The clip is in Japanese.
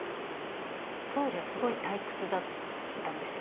当時はすごい退屈だったんですよ。